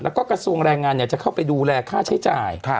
แล้วก็กระทรวงแรงงานจะเข้าไปดูแลค่าใช้จ่าย